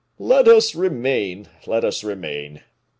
"Let us remain! let us remain!